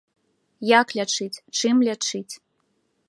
Як лячыць, чым лячыць?